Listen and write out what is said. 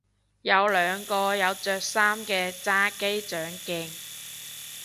有兩個有着衫嘅揸機掌鏡